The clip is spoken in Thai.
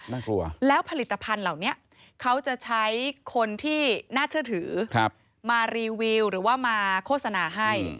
น่ากลัวแล้วผลิตภัณฑ์เหล่านี้เขาจะใช้คนที่น่าเชื่อถือมารีวิวหรือว่ามาโฆษณาให้